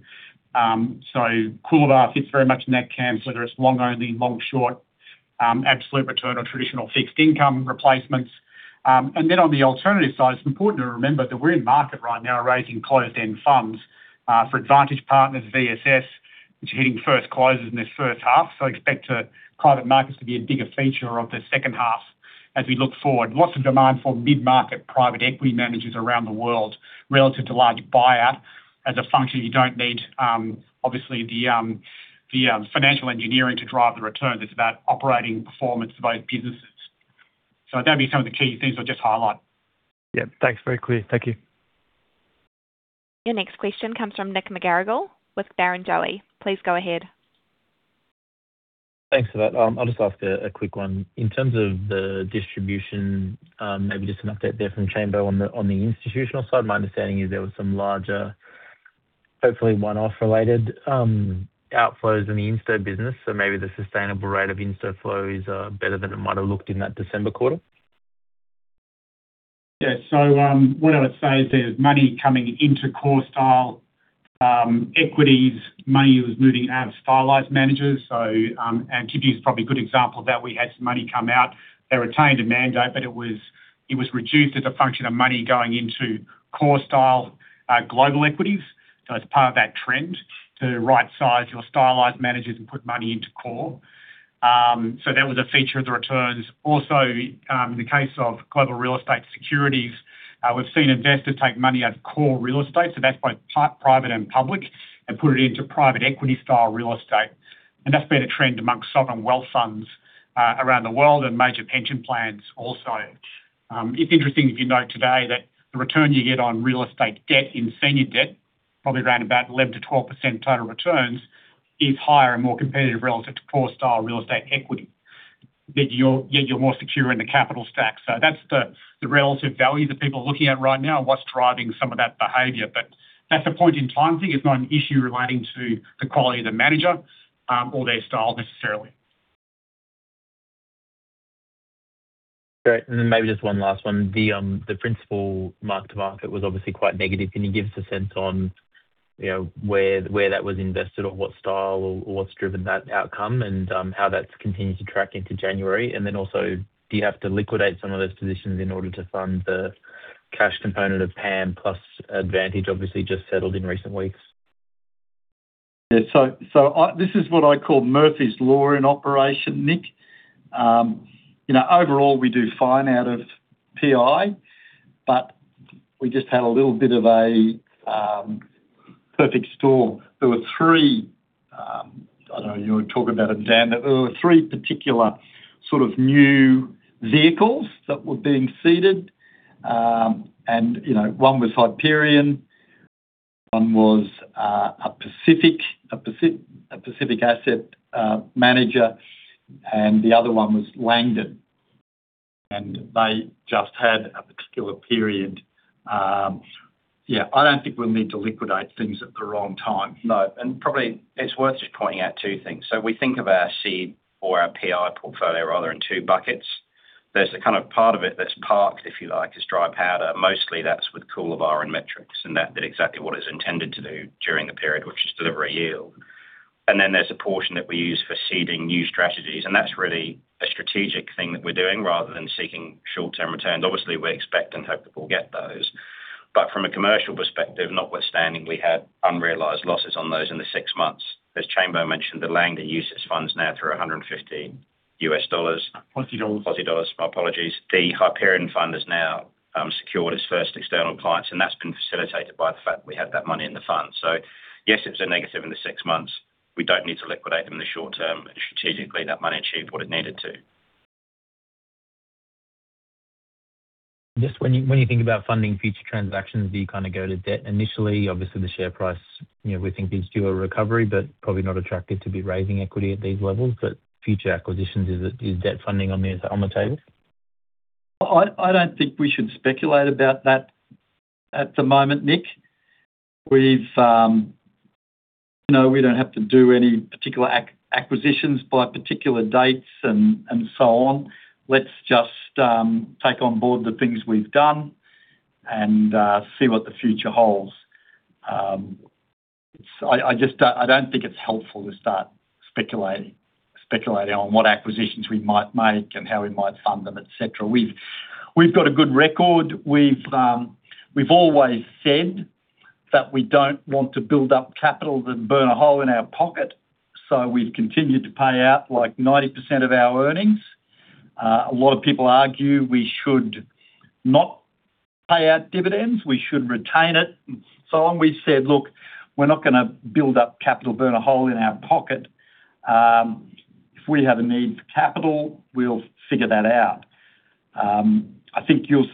So Coolabah fits very much in that camp, whether it's long only, long-short, absolute return or traditional fixed income replacements. And then on the alternative side, it's important to remember that we're in market right now raising closed-end funds for Advantage Partners, VSS, which are hitting first closes in this first half. So expect the private markets to be a bigger feature of the second half as we look forward. Lots of demand for mid-market private equity managers around the world relative to large buyout. As a function, you don't need obviously the financial engineering to drive the return. It's about operating performance of those businesses. So that'd be some of the key things I'll just highlight. Yeah. Thanks. Very clear. Thank you. Your next question comes from Nick McGarrigle with Barrenjoey. Please go ahead. Thanks for that. I'll just ask a quick one. In terms of the distribution, maybe just an update there from Chambers on the institutional side. My understanding is there was some larger, hopefully, one-off related outflows in the institutional business, so maybe the sustainable rate of institutional flow is better than it might have looked in that December quarter? Yeah. So, what I would say is there's money coming into core style, equities. Money was moving out of stylized managers. So, and QBE is probably a good example of that. We had some money come out. They retained a mandate, but it was... It was reduced as a function of money going into core style, global equities. So it's part of that trend to right size your stylized managers and put money into core. So that was a feature of the returns. Also, in the case of global real estate securities, we've seen investors take money out of core real estate, so that's both part private and public, and put it into private equity style real estate. And that's been a trend amongst sovereign wealth funds, around the world, and major pension plans also. It's interesting, if you note today, that the return you get on real estate debt in senior debt, probably around about 11%-12% total returns, is higher and more competitive relative to core style real estate equity. But you're, yet you're more secure in the capital stack. So that's the relative value that people are looking at right now and what's driving some of that behavior. But that's a point in time thing. It's not an issue relating to the quality of the manager, or their style necessarily. Great. And then maybe just one last one. The principal mark-to-market was obviously quite negative. Can you give us a sense on, you know, where, where that was invested or what style or, or what's driven that outcome and how that's continued to track into January? And then also, do you have to liquidate some of those positions in order to fund the cash component of PAM plus Advantage, obviously just settled in recent weeks? Yeah. So this is what I call Murphy's Law in operation, Nick. You know, overall, we do fine out of PI, but we just had a little bit of a perfect storm. There were three, I don't know, you were talking about it, Dan, that there were three particular sort of new vehicles that were being seeded. And you know, one was Hyperion, one was a Pacific Asset Management, and the other one was Langdon. And they just had a particular period. Yeah, I don't think we'll need to liquidate things at the wrong time. No, and probably it's worth just pointing out two things. So we think of our seed or our PI portfolio, rather, in two buckets. There's the kind of part of it that's parked, if you like, as dry powder. Mostly that's with Coolabah and Metrics, and that did exactly what it's intended to do during the period, which is deliver a yield. And then there's a portion that we use for seeding new strategies, and that's really a strategic thing that we're doing rather than seeking short-term returns. Obviously, we expect and hope that we'll get those. But from a commercial perspective, notwithstanding, we had unrealized losses on those in the six months. As Chambers mentioned, the Langdon FUM now through $115 million. Aussie dollars. Aussie dollars, my apologies. The Hyperion fund has now secured its first external clients, and that's been facilitated by the fact that we had that money in the fund. So yes, it's a negative in the six months. We don't need to liquidate them in the short term. Strategically, that money achieved what it needed to. Just when you think about funding future transactions, do you kinda go to debt initially? Obviously, the share price, you know, we think is due a recovery, but probably not attractive to be raising equity at these levels. But future acquisitions, is debt funding on the table? I don't think we should speculate about that at the moment, Nick. We've... You know, we don't have to do any particular acquisitions by particular dates and so on. Let's just take on board the things we've done and see what the future holds. I just don't think it's helpful to start speculating on what acquisitions we might make and how we might fund them, et cetera. We've got a good record. We've always said that we don't want to build up capital that burn a hole in our pocket, so we've continued to pay out, like, 90% of our earnings. A lot of people argue we should not pay out dividends, we should retain it and so on. We've said: "Look, we're not gonna build up capital, burn a hole in our pocket. If we have a need for capital, we'll figure that out." I think you'll...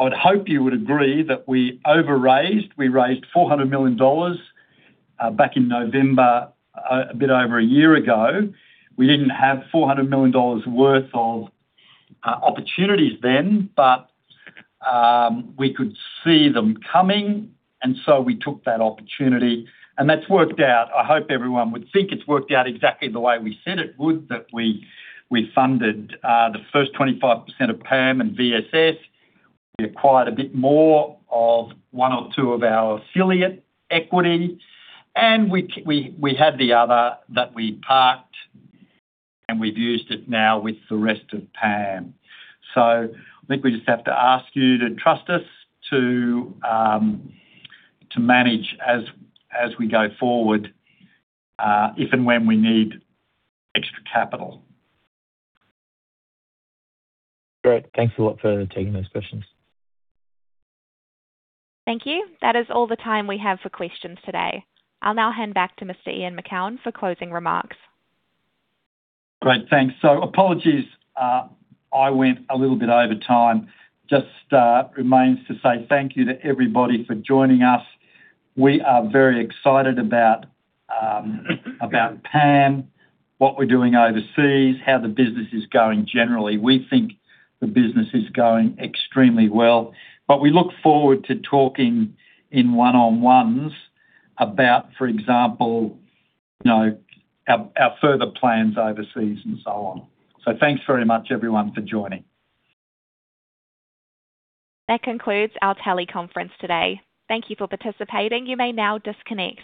I'd hope you would agree that we over-raised. We raised 400 million dollars back in November, a bit over a year ago. We didn't have 400 million dollars worth of opportunities then, but we could see them coming, and so we took that opportunity, and that's worked out. I hope everyone would think it's worked out exactly the way we said it would, that we funded the first 25% of PAM and VSS. We acquired a bit more of one or two of our affiliate equity, and we had the other that we parked, and we've used it now with the rest of PAM. So I think we just have to ask you to trust us to manage as we go forward, if and when we need extra capital. Great. Thanks a lot for taking those questions. Thank you. That is all the time we have for questions today. I'll now hand back to Mr. Ian Macoun for closing remarks. Great. Thanks. So apologies, I went a little bit over time. Just remains to say thank you to everybody for joining us. We are very excited about about PAM, what we're doing overseas, how the business is going generally. We think the business is going extremely well. But we look forward to talking in one-on-ones about, for example, you know, our further plans overseas and so on. So thanks very much, everyone, for joining. That concludes our teleconference today. Thank you for participating. You may now disconnect.